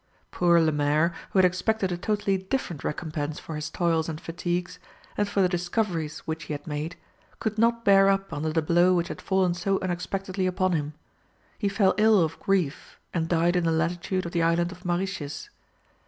Poor Lemaire, who had expected a totally different recompense for his toils and fatigues, and for the discoveries which he had made, could not bear up under the blow which had fallen so unexpectedly upon him; he fell ill of grief and died in the latitude of the island of Mauritius.